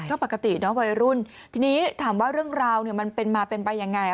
ก็ปกติเนอะวัยรุ่นทีนี้ถามว่าเรื่องราวเนี่ยมันเป็นมาเป็นไปยังไง